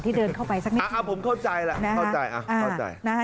ที่เดินเข้าไปสักนิดหนึ่งค่ะผมเข้าใจแล้วค่ะค่ะ